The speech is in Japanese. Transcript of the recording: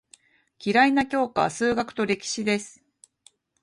嫌いな教科は数学と歴史です。